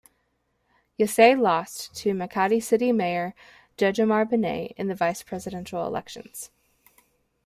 Yasay lost to Makati City Mayor Jejomar Binay in the vice-presidential elections.